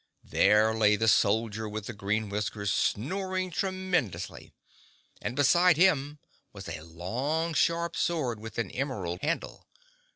There lay the Soldier with the Green Whiskers, snoring tremendously and beside him was a long, sharp sword with an emerald handle.